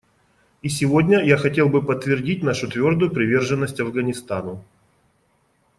И сегодня я хотел бы подтвердить нашу твердую приверженность Афганистану.